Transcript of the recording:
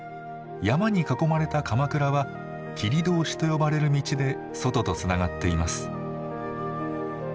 山に囲まれた鎌倉は切通と呼ばれる道で外とつながっています。